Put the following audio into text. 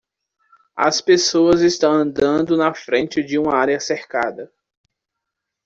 As pessoas estão andando na frente de uma área cercada.